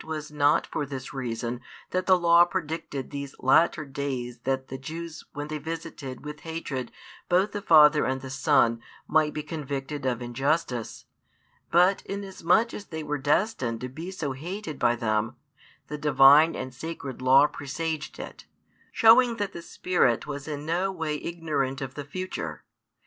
was not for this reason that the Law predicted these latter days that the Jews when they visited with hatred both the Father and the Son might be convicted of injustice, but, inasmuch as They were destined to be so hated by them, the Divine and Sacred Law presaged it, showing that the Spirit was in no way ignorant of the future.